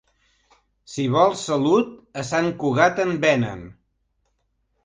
Si vols salut, a Sant Cugat en venen.